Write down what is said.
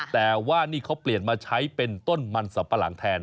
แต่ว่านี่เขาเปลี่ยนมาใช้เป็นต้นมันสับปะหลังแทน